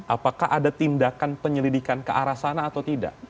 apakah ada tindakan penyelidikan ke arah sana atau tidak